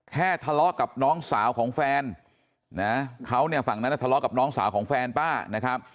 ทะเลาะกับน้องสาวของแฟนนะเขาเนี่ยฝั่งนั้นทะเลาะกับน้องสาวของแฟนป้านะครับ